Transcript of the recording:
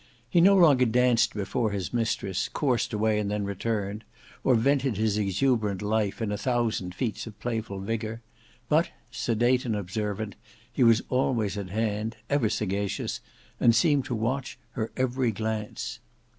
He no longer danced before his mistress, coursed away and then returned, or vented his exuberant life in a thousand feats of playful vigour; but sedate and observant, he was always at hand, ever sagacious, and seemed to watch her every glance.